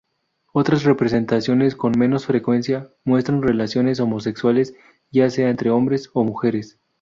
Otras representaciones, con menos frecuencia, muestran relaciones homosexuales, ya sea entre hombres o mujeres.